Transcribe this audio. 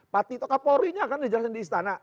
pati toka pori nya kan dijelasin di istana